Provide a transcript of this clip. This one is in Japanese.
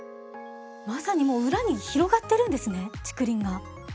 まさにもう裏に広がってるんですね竹林が。